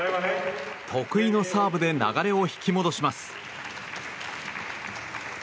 得意のサーブで流れを引き戻します。